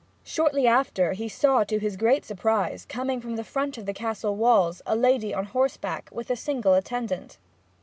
Shortly after he saw, to his great surprise, coming from the front of the Castle walls a lady on horseback, with a single attendant.